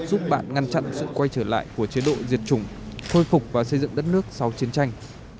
giúp bạn ngăn chặn sự quay trở lại của chế độ diệt chủng khôi phục và xây dựng đất nước sau chiến tranh